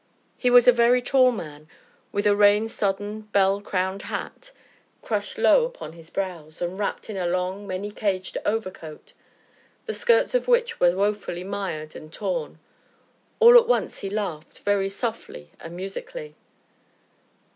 He was a very tall man, with a rain sodden, bell crowned hat crushed low upon his brows, and wrapped in a long, many caged overcoat, the skirts of which were woefully mired and torn. All at once he laughed, very softly and musically.